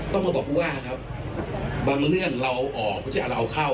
ต้องมาบอกผู้ว่าครับบางเรื่องเราเอาออกไม่ใช่เราเอาเข้า